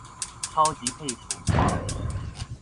超級佩服